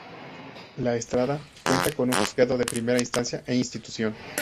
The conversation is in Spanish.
La Estrada cuenta con un Juzgado de Primera Instancia e Instrucción.